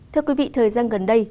thưa quý vị thời gian gần đây